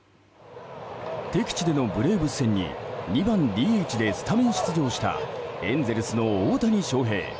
敵地でのブレーブス戦に２番ＤＨでスタメン出場したエンゼルスの大谷翔平。